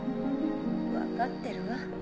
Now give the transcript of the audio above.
分かってるわ。